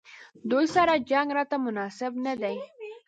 دوی سره جنګ راته مناسب نه دی.